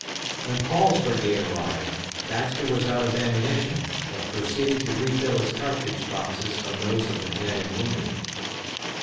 When Paul's brigade arrived, Baxter was out of ammunition, but proceeded to refill his cartridge boxes from those of the dead and wounded.